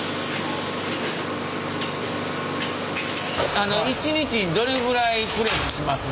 あの一日にどれくらいプレスしますの？